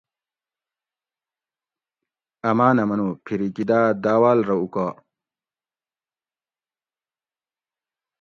"امانہ منو ""پِھیریکی داۤ داۤواۤل رہ اُوکا"